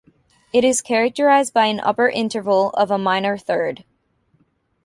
It is characterized by an upper interval of a minor third.